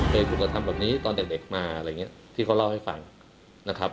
เคยถูกกระทำแบบนี้ตอนเด็กมาอะไรอย่างนี้ที่เขาเล่าให้ฟังนะครับ